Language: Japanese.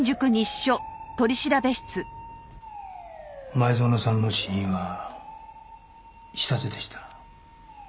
前園さんの死因は刺殺でした。